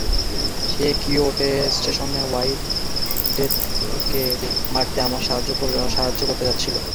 সে Kyoto স্টেশনে white ডেথকে মারতে আমাকে সাহায্য করতে যাচ্ছিলো।